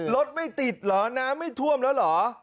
รถไม่ติดเหรอน้ำไม่ท่วมแล้วเหรอ